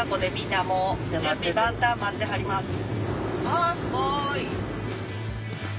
あすごい！